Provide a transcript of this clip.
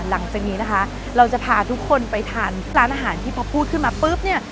หลังจากนี้นะคะเราจะพาทุกคนไปทานที่ร้านอาหารที่พอพูดขึ้นมาปุ๊บเนี่ย